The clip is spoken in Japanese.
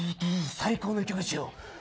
最高の１曲にしよう！